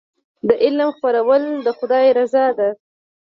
د علم خپرول د خدای رضا ده.